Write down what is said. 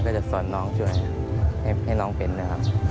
จะสอนน้องช่วยให้น้องเป็นนะครับ